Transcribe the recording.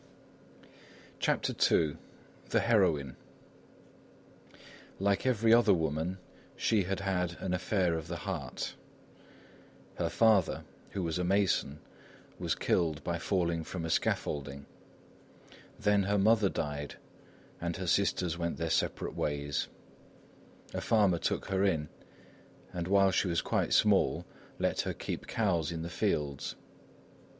CHAPTER II THE HEROINE Like every other woman, she had had an affair of the heart. Her father, who was a mason, was killed by falling from a scaffolding. Then her mother died and her sisters went their different ways; a farmer took her in, and while she was quite small, let her keep cows in the fields.